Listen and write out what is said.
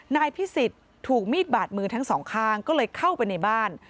นายพิสิทธิ์ถูกมีดบาดมือทั้งสองข้างก็เลยเข้าไปในบ้าน